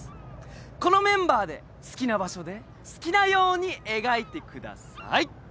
このメンバーで好きな場所で好きなように描いてください！